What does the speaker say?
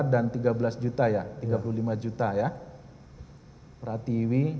dua puluh dua dan tiga belas juta ya tiga puluh lima juta ya pratiwi